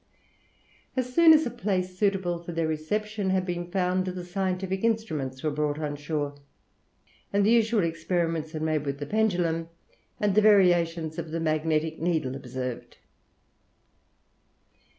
As soon as a place suitable for their reception had been found, the scientific instruments were brought on shore, and the usual experiments were made with the pendulum, and the variations of the magnetic needle observed.